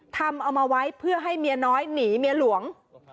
ทำเอามาไว้เพื่อให้เมียน้อยหนีเมียหลวง